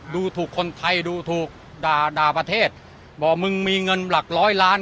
ดูถูกคนไทยดูถูกด่าด่าประเทศบอกมึงมีเงินหลักร้อยล้าน